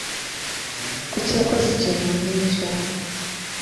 kuki yakoze ikintu nkicyo